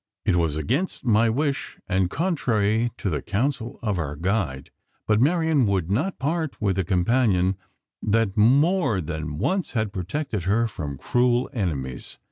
It was against my wish, and contrary to the counsel of our guide; but Marian would not part with a companion that more than once had protected her from cruel enemies.